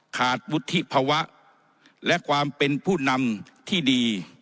ขาดวุฒิภาวะและความเป็นผู้นำที่ดี